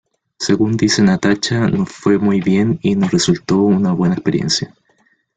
Según dice Natasha: "Nos fue muy bien y nos resultó una buena experiencia.